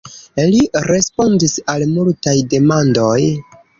Li respondis al multaj demandoj.